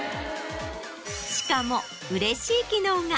しかも。